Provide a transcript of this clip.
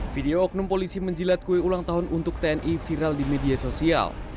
video oknum polisi menjilat kue ulang tahun untuk tni viral di media sosial